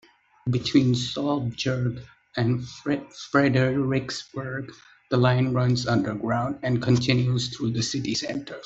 Between Solbjerg and Frederiksberg, the line runs underground, and continues through the city center.